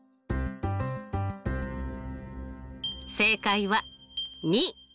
正解は２！